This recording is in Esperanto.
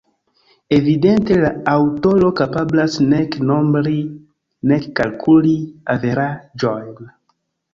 Evidente la aŭtoro kapablas nek nombri nek kalkuli averaĝojn.